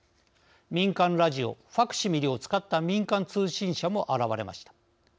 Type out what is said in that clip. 民間ラジオファクシミリを使った民間通信社も現れました。